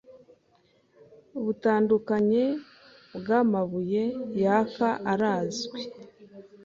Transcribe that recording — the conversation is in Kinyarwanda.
butandukanye bwamabuye yaka arazwi